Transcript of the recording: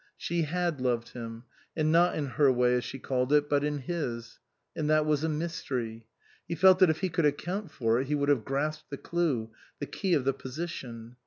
She had loved him, and not in her way as she called it, but in his. And that was a mystery. He felt that if he could account for it he would have grasped the clue, the key of the position.